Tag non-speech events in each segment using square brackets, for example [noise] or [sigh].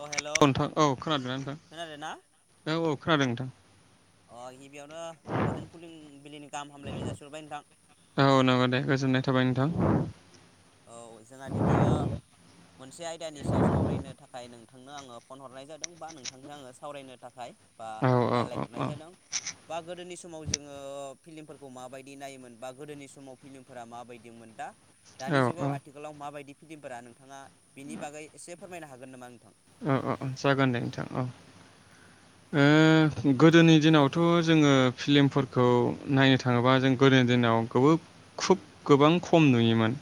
अ hello, औ नोंथां औ खोनादोंना नोंथां खोनादों ना? औ औ खोनादों नोंथां अ गिबियावनो गोजोन फुलिं बिलिनि गाहाम हामलायनाय जासिहरबाय नोंथां। औ नंगौ दे गोजोननाय थाबाय नोंथां औ जोंहा दिनैयो मोनसे आयदानि सायाव सावरायनो था खाय नोंथांनो आङो फन हरनाय जादों बा नोंथांजों आङो सावरायनो थाखाय बा औ औ औ रायजलायहरनाय औ जादों बा गोदोनि समाव जोङो फिलिमफोरखौ माबायदि नायोमोन बा गोदोनि समाव फिलिमफोरा माबायदिमोन दा औ दानि जुगाव आथिखालाव माबायदि फिल्मफोरा नोंथाङा बेनि बागै एसे फोरमायनो हागोन नामा नोंथां? अ जागोन दे नोंथां औ, ओ गोदोनि दिनावथ' जोङो फिलमफोरखौ नायनो थाङोबा जों गोदोनि दिनाव गो खुब गोबां खम नुयोमोन।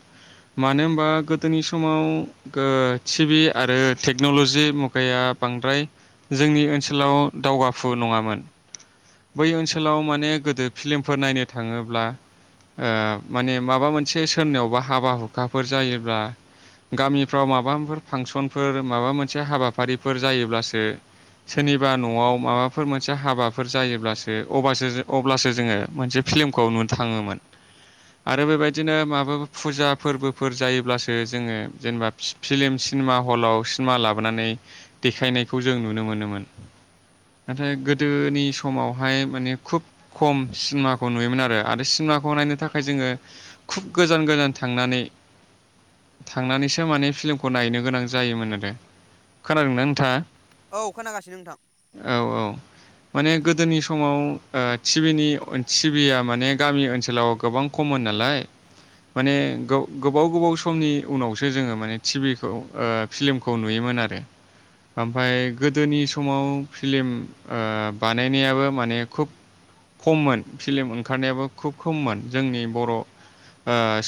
मानो होनबा गोदोनि समाव ओ टिभि आरो टेक्न'ल'जि गैया बांद्राय, जोंनि ओनसोलाव दावगाफु नङामोन। बै ओनसोलाव माने गोदो फिलमफोर नायनो थाङोब्ला ओ माने माबा मोनसे सोरनियावबा हाबा हुखाफोर जायोब्ला गामिफ्राव माबाफोर फांसनफोर माबा मोनसे हाबा फारिफोर जायोब्लासो सोरनिबा न'आव माबाफोर मोनसे हाबाफोर जायोब्लासोसो अब्लासो जो अब्लासो जोङो मोनसे फिल्मखौ नुनो थाङोमोन आरो बेबायदिनो माबा फुजा फोरबोफोर जायोब्लासो जोङो जेनोबा फि फिलिम सिनेमा हलाव सिनेमा लाबोनानै देखायनायखौ जों नुनो मोनोमोन। नाथाय गोदोनि समावहाय माने खुब खम सिनेमाखौ नुयोमोन आरो आरो सिनेमाखौ नायनो थाखाय जोङो खुब गोजान गोजान थांनानै थांनानैसो माने फिल्मखौ नायनो गोनां जायोमोन आरो। खोनादोंना नोंथाङा? औ खोनागासिनो नोंथां। औ औ माने गोदोनि समाव ओ टिभिनि टिभिया माने गामि ओनसोलाव गोबां खममोन नालाय। माने गो गोबाव गोबाव समनि उनावसो जोङो माने टिभिखौ ओ फिल्मखौ नुयोमोन आरो। ओमफाय गोदोनि समाव फिलम ओ बानायनायाबो माने खुब खममोन फिलम ओंखारनायाबो खुब खममोन जोंनि बर' ओ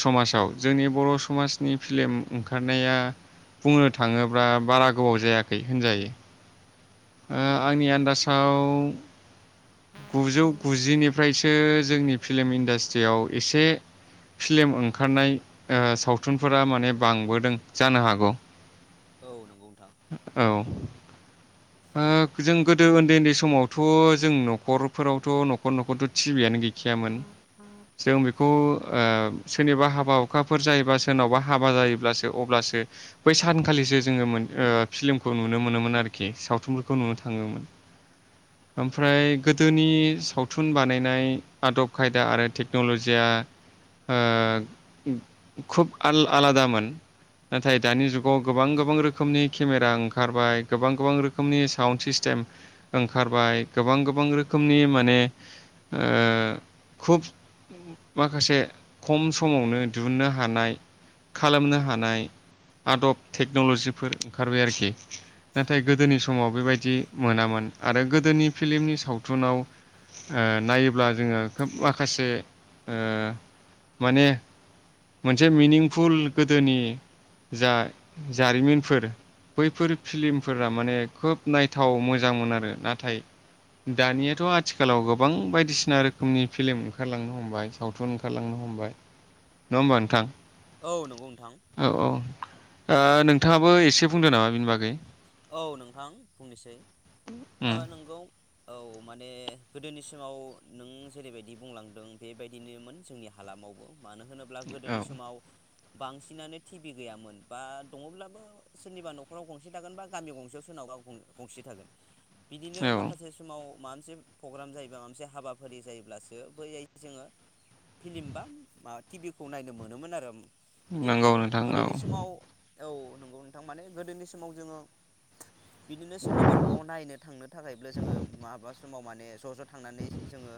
समाजाव जोंनि बर' समाजनि फिलम ओंखारनाया बुंनो थाङोब्ला बारा गोबाव जायाखै होनजायो। ओ आंनि आन्दाजाव गुजौ गुजिनिफ्रायसो जोंनि फिल्म इन्डास्ट्रियाव एसे फिल्म ओंखारनाय ओ सावथुनफोरा माने बांबोदों जानो हागौ। औ नंगौ नोंथां। औ ओ जों गोदो उन्दै उन्दै समावथ' जों न'खरफोरावथ' न'खर न'खरथ' टिभियनो गैखायामोन। जों बेखौ ओ सोरनिबा हाबा हुखाफोर जायोबा सोरनावबा हाबा जायोब्लासो अब्लासो बै सानखालिसो जोङो मोन ओ फिलिमखौ नुनो मोनोमोन आरोखि साव थुनफोरखौ नुनो थाङोमोन। ओमफ्राय गोदोनि सावथुन बानायनाय आदब खायदा आरो टेक्न'लजिया ओ खुब आल आलादामोन नाथाय दानि जुगाव गोबां गोबां रोखोमनि केमेरा ओंखारबाय गोबां गोबां रो खोमनि सावन सिस्टेम ओंखारबाय, गोबां गोबां रोखोमनि माने ओ खुब माखासे खम समावनो दिहुननो हानाय खालामनो हानाय आदब टेक्नलजिफोर ओंखारबाय आरोखि। नाथाय गोदोनि स माव बेबायदि मोनामोन आरो गोदोनि फिलमनि सावथुनाव ओ नायोब्ला जोङो खोब माखासे ओ माने मोनसे मिनिंफुल गोदोनि जा जारिमिनफोर बैफोर फिलिमफोरा माने खोब नायथाव मोजांमोन आरो नाथाय दानियाथ' आथिखालाव गोबां बायदिसिना रोखोमनि फिलिम ओंखारलांनो हमबाय सावथुन ओंखारलांनो हमबाय नङा होमबा नोंथां? औ नंगौ नोंथां। औ औ नोंथाङाबो एसे बुंदो नामा बिनि बागै औ नों थां आं बुंनिसै आ उम नोंगौ औ माने गोदोनिसिमाव नों जेरैबायदि बुंलांदों बेबायदिनोमोन जोंनि हालामावबो। मानो होनोब्ला गोदोनि समाव बांसिनानो टिभि गैयामोन बा दङब्लाबो सोरनिबा न'खराव गंसे थागोन बा गामियाव गंसेयाव सोनावबा आं गंसे थागोन। बिदिनो औ माखासे समाव मा मोनसे प्रग्राम जायोबा मोनसे हाबाफारि जायोब्लासो बै जोङो फिलिम बा माबा टिभि खौ नायनो मोनोमोन आरो बिदिनो नंगौ नोंथां औ गोदोनि समाव औ नंगौ नोंथां माने गोदोनि समाव जोङो बिदिनो सोरनिबा न'आव नायनो थांनो थाखायब्ला जोङो माबा समाव माने माने ज' ज' थांनानै जोङो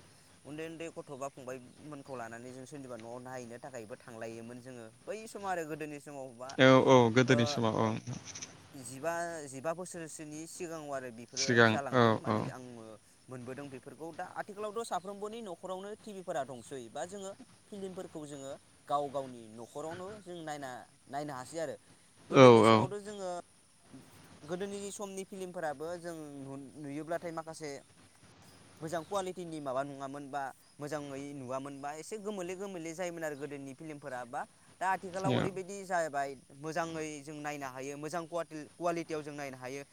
उन्दै उन्दै गथ' बा फंबायमोनखौ लानानै जों सोरनिबा न'आव नायहैनो थाखायबो थांलायोमोन जोङो बै समाव आरो गोदोनि समाव बा औ औ ओ गोदोनि समाव औ जिबा जिबा बोसोरसोनि सिगाङाव आरो ओमफ्राय बेफोरो सिगां औ जालांदों औ माने आंबो मोनबोदों बेफोरखौ दा आथिखालावथ' साफ्रोमबोनि न'खरावनो टिभिफोरा दंसै बा जोङो फिलिमफोरखौ जोङो गाव गावनि न'खरावनो जों नायना नायनो हासै आरो। औ गोदोनि समावथ' जोङो गोदोनि समनि फिलिमफोराबो जों नुयोब्लाथाय माखासे मोजां कुवालिटिनि माबा नङामोन बा मोजाङै नुवामोन बा एसे गोमोले गोमोले जायोमोन आरो गोदोनि फिलिमफोरा बा दा आथिखालाव ओरैबायदि जाहैबाय मोजाङै जों नायनो हायो मोजां कुवालिटि कुवालिटियाव जों नायनो हायो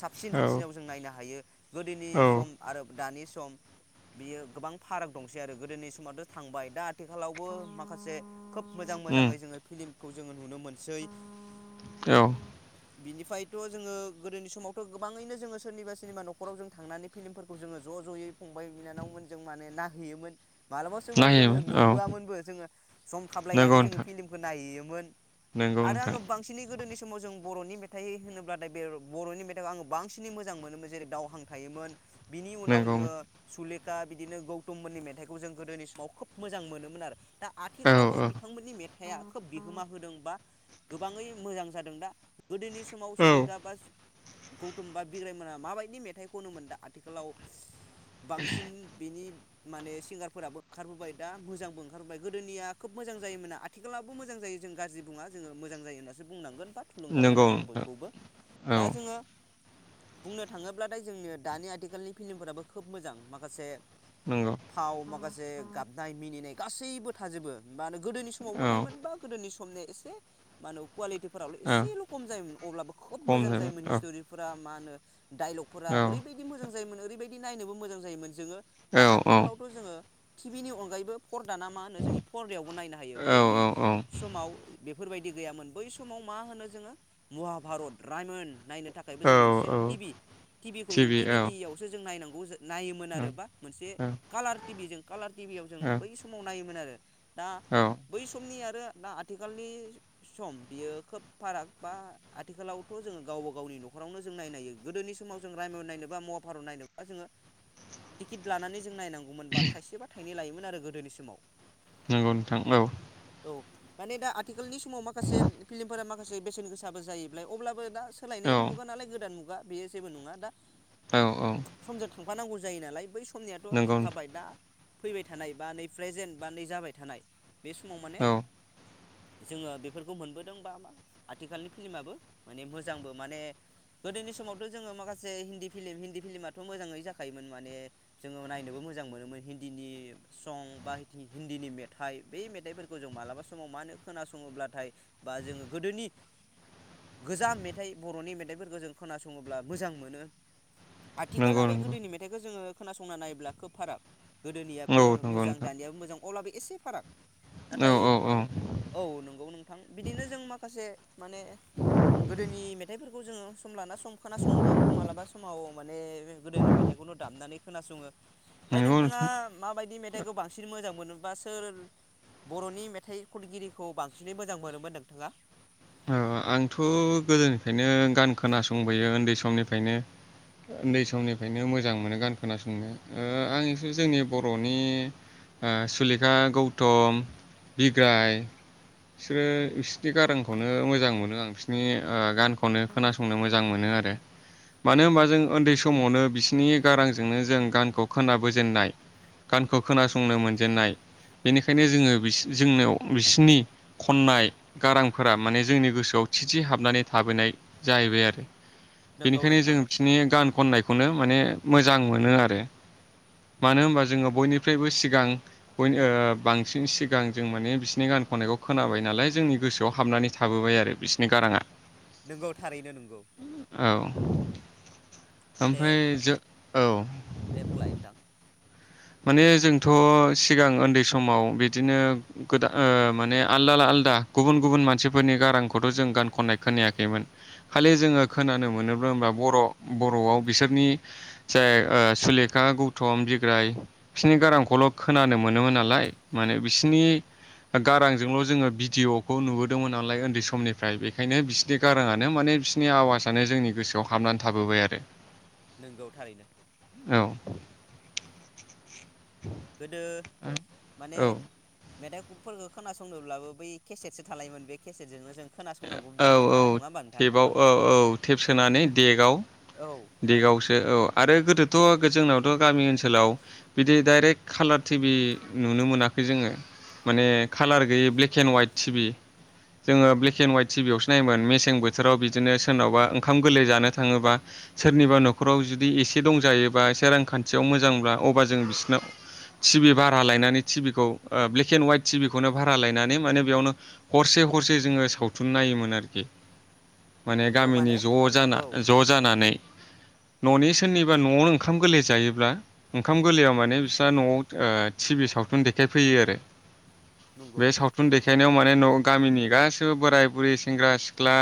साबसिन औ हामसिनाव जों नायनो हायो। गोदोनि औ सम आरो दानि सम बियो गोबां फाराग दंसै आरो गोदोनि समावथ' थांबाय दा आथिखालावबो माखासे खोब मोजां उम मोजाङै जोङो फिल्मि खौ जोङो नुनो मोनसै। औ। बिनिफ्रायथ' जोङो गोदोनि समावथ' गोबाङैनो जोङो सोरनिबा सोरनिबा न'खराव जों थांनानै फिल्मफोरखौ जोङो ज' ज'यै फंबाय बिनानावमोन जों माने नाहैयोमोन। मालाबा समाव जोङो नायोमोन औ नुबोआमोनबो जोङो सम थाबलायनानै नंगौ जोङो नोंथां फिलिमखौ नाहैयोमोन मोन। नंगौ आरो नोंथां आङो बांसिनै गोदोनि समाव जों बर'नि मेथ मेथाइ होनोब्लाथाय बे बर'नि मेथाइखौ आङो बांसिनै मोजां मोनोमोन जेरै दावहां थायोमोन। बिनि उनाव नंगौ सुले खा बिदिनो गौथममोननि मेथाइखौ जों गोदोनि समाव खोब मोजां मोनोमोन आरो दा औ आथिखालावबो औ बिथांमोननि मे हे आंखो बिहोमा होदों बा गोबाङै मोजां जादों दा [unintelligible] गोदोनि समाव औ सुलिका सु गौथुम बा बिग्रायमोना माबायदि मेथाइ खनो मोन दा आथिखालाव बांसिन बिनि माने सिंगारफोराबो ओंखारबोबाय दा मोजांबो ओंखारबोबाय गोदोनिया खोब मोजां जायोमोना आथिखालावबो मोजां जायो जों गाज्रि बुंङा जोंङो मोजां जायो होननासो बुंनांगोन बाट ओ नंगौ नोंथां होनांगोन औ दा जोङो बुंनो थाङोब्लाथाय जोंनि दानि आथिखालनि फिल्मफोराबो खोब मोजां माखासे नंगौ फाव माखा जे गाबनाय मिनिनाय गासैबो थाजोबो मा होनो गोदोनि समावबो औ थायोमोन बा गोदोनि सम खननाया एसे मान कुवालिटिफोरावलाय औ एसेल' खम जायोमोन अब्लाबो खोब खम मोजां जायोमोन जाबाय हिस्ट'रिफोरा माानो दडाइलगफोरा औ ओरैबायदि मोजां जायोमोन ओरैबायदि नायनोबो मोजां जायोमोन जोंङो औ दा औ आथिखालावथ' जोंङो टिभिनि अनगायैबो फरदाना मा होनो जोंनि फरदायावबो नायनो हायो बै औ समाव बे बेफोरबायदि गैयामोन बै समाव मा होनो जोंङो महाभारत रायमोन नायनो थाखायबो औ जों मोनसे औ टिबि टिबि खौ जों टिभि टि औ बिनियावसो जों नायनांगौ। बुज नायोमोन औ आरो बा मोनसे औ कालार टिभि जों कालार टिभियाव जों औ बै समाव नायोमोन आरो। दा औ बै समनि आरो दा आथिखालनि सम बियो खोब फाराग बा आथिखालावथ' जोंङो गावबा गावनि न'खरावनो जों नायनाय हायो गोदोनि समाव जों रायमन नायनोबा मवाभारत नायनोबा जोंङो टिकेट लानानै जों नायनांगौमोनबा थाइसेब थाइन लायोमोन। आरो गोदोनि समाव नंगौ नोंथां औ माने दा आथिखालनि समाव माखासे फिल्मफोरा माखासे बेसेन गोसाबो जाहायोबाय अब्लाबो ना औ सोलायनायनि मुगा नालाय गोदान मुगा बेयो जेबो नंङा दा औ औ समजों थां फानांगौ जायो नालाय बै से समनियाथ' नंगौ थांखाबाय दा फैबाय थानाय बा नै प्रेजेन्ट बा नै जाबाय थानाय बे समाव माने नोंथां औ जोङो बेफोरखौ मोनबोदों बा मा आथिखालनि फिल्माबो माने मोजांबो माने गोदोनि समावथ' जोंङो माखासे हिन्दी फिल्म हिन्दी फिल्माथ' मोजांङै जाखायोमोन माने जोंङो नायनोबो मोजां मोनोमोन हिन्दीनि सं बा हिन्दीनि मेथाइ बै मेथाइफोरखौ जों मालाबा समाव मा होनो खोनासंङोब्लाथाय बा जोंङो गोदोनि गोजाम मेथाइ बर'नि मेथाइफोरखौ जों खोनासंङोब्ला मोजां मोनो। आथिखाल नंगौ आरो नंगौ गोदोनि मेथाइखौ जोंङो खोनासंना नायोब्ला खोब फाराग औ गोदोनियाबो नंगौ मोजां नोंथां दानियाबो मोजां अब्ला बै एसे फाराग औ नाथाय औ औ औ नंगौ नोंथां बिदिनो जों माखासे माने गोदोनि मेथाइ खौ जोंङो सम लाना सम खोनासंङो आंथ' मालाबा समाव माने गोदोनि मेथाइखौनो दामनानै खोनासंङो। ओमफाय नंगौ नोंथांङा नोंथां माबायदि मेथाइखौ बांसिन मोजां मोनो बा सोर बर'नि मेथाइ खनगिरिखौ बांसिनै मोजां मोनोमोन नोंथांङा ओ ओ आंथ' गोदोनिफ्रायनो गान खोनासंबोयो उन्दै समनिफायनो उन्दै समनिफायनो मोजां मोनो गान खोनासंनो आं एसे जोंनि बर'नि ओ सुलेखा गौतम बिग्राय बिसोरो बिसोरनि गारां खौनो मोजां मोनो आं बिसोरनि गान खौनो खोनासंनो मोजां मोनो आरो। मानो होनबा जों उन्दै समावनो बिसोनि गारांजोंनो जों गानखौ खोनाबोजेननाय गानखौ खोनासंनो मोनजेननाय बेनिखायनो जोंङो बिसो जोंनाव बिसोनि खननाय गारां फोरा माने जोंनि गोसोआव थि थि हाबनानै थाबोनाय जाहैबाय आरो नंगौ बेनिखायनो जों नोंथां बिसोनि गान खननायखौनो माने मोजां मोनो आरो मानो होनबा जोंङो बयनिफ्रायबो सिगां बयनि ओ बांसिन सिगां जों माने बिसोनि गान खननायखौ खोनाबाय नालाय जोंनि गोसोआव हाबनानै थाबोबाय आरो बिसोनि गारांङा नोंगौ थारैनो नोंगौ ओमफाय जो औ दे बुंलाय नोंथां माने जोंथ' सिगां उन्दै समाव बिदिनो गोदा ओ माने आलदा आलदा गुबुन गुबुन मानसिफोरनि गारांखौथ' जों गान खननाय खोनायाखैमोन खालि जोंङो खोनानो मोनोबा होनबा बर' बर'आव बिसोरनि जाय सुलेखा गौथम बिग्राय बिसोनि गारांखौल' खोनानो मोनोमोन नालाय माने बिसोनि गारांजोंल' जोंङो भिडिय'खौ नुबोदोंमोन नालाय उन्दै समनिफ्राय बेखायनो बिसोनि गारांङानो माने बिसोनि आवाजानो जोंनि गोसोआव हाबनानै थाबोबाय आरो नोंगौ थारैनो औ गोदो माने औ मेथाइफोरखौ खोनासंदोंब्लाबो बै केसेटसो थालायोमोन बे केसेटजोंनो जों खोनासंनांगौ जायोमोन औ-औ ना नङा होमबा नोंथां? टेपाव औ-औ टेब सोनानै डेगआव औ डेगावसो औ आरो गोदो थ' जोंनावथ' गामि ओनसोलाव बिदि दाइरेक्ट खाालार टिभि नुनो मोनाखै जोङो माने खालार गैयि ब्लेक एन्ड हवाइट टिभि जोङो ब्लेक एन्ड हाइट टिभियावसो नायोमोन मेसें बोथोराव बिदिनो सोरनावबा ओंखाम गोरलै जानो थाङोबा सोरनिबा न'खराव जुदि एसे दंजायोबा एसे रांखान्थियाव मोजांब्ला अब्ला जों बिसोरनाव टिभि भारा लायनानै टिभि खौ ब्लेक एन्ड हवाइट टिभि खौनो भारा लायनानै माने बेयावनो हरसे हरसे जोङो सावथुन नायोमोन आरोखि माने गामिनि ज' जाना औ ज' जानानै न'नि सोरनिबा न'आवनो ओंखाम गोरलै जायोब्ला ओंखाम गोरलैयाव माने बिस्रा न'आव टिभि सावथुन देखायफैयो आरो नंगौ। बे सावथुन देखायनायाव माने माने गामिनि गासैबो बोराय बुरै सेंग्रा सिख्ला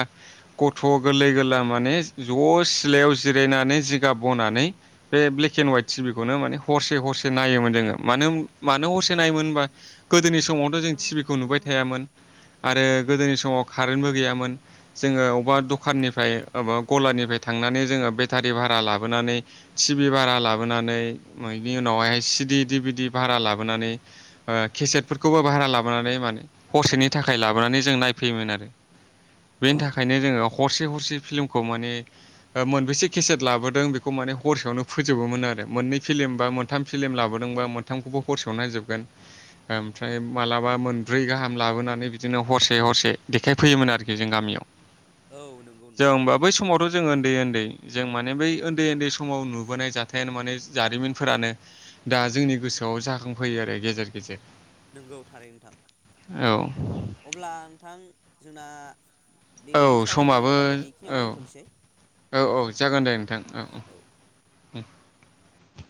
गथ' गोरलै गोरला माने ज' सिलायाव जिरायनानै जिगाब बनानै बे ब्लेक एन्ड हवाइट टिभिखौनो माने हरसे हरसे नायोमोन जोङो मानो मानो हरसे नायोमोन होनबा गोदोनि समावथ' जों टिभिखौ नुबाय थायामोन आरो गोदोनि समाव कारेन्टबो गैयामोन जोङो अबा दखाननिफ्राय अबा गलानिफ्राय थांनानै जोङो बेटारि भारा लाबोनानै तिबि भारा लाबोनानै बिनि उनावहायहाय सिडि डि बिदि भारा लाबोनानै केसेटफोरखौबो भारा लाबोनानै माने हरसेनि थाखाय लाबोनानै जों नायफैयोमोन आरो औ बेनि थाखायनो जोङो हरसे हरसे फिल्मखौ माने मोनबेसे केसेट लाबोदों बेखौ माने हरसेयावनो फोजोबोमोन आरो मोननै फिलिम बा मोनथाम फिलिम लाबोदोंबा मोनथामखौबो हरसेयावनो नायजोबगोन ओमफ्राय मालाबा मोनब्रै गाहाम लाबोनानै बिदिनो हरसे हरसे देखायफैयोमोन आरोखि जों गामियाव औ नंगौ जों नोंथां होनबा बै समावथ' जों उन्दै उन्दै जों माने बै उन्दै उन्दै समाव नुबोनाय जाथायानो माने जारिमिनफोरानो दा जोंनि गोसोआव जाखांफैयो आरो गेजेर गेजेर नंगौ थारैनो नोंथां औ अब्ला नोंथां जोंना औ दिनैनि सावरायनाय समाबो आयदाखौ बेखिनियावनो दोनथ'नोसै औ-औ-औ जागोन दे नोंथां औ-औ औ। [inaudible]